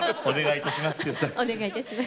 お願いいたします